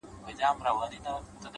هره ستونزه د حل وړ ده،